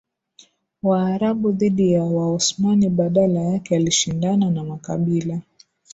Waarabu dhidi ya Waosmani badala yake alishindana na makabila